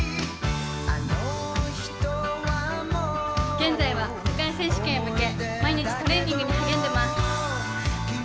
現在は世界選手権へ向け、毎日トレーニングに励んでいます。